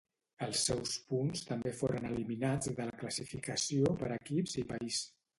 Els seus punts també foren eliminats de la classificació per equips i país.